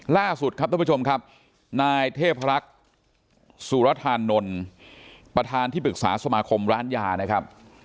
ล่าสุดครับท่านผู้ชมครับนายเทพรักษ์สุรธานนท์ประธานที่ปรึกษาสมาคมร้านยานะครับ